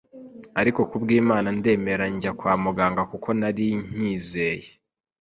ariko ku bw’Imana ndemera njya kwa muganga kuko nari nyizeye